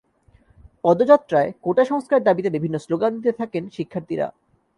পদযাত্রায় quota সংস্কারের দাবিতে বিভিন্ন স্লোগান দিতে থাকেন শিক্ষার্থীরা।